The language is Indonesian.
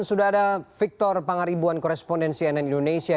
sudah ada victor pangaribuan korespondensi nn indonesia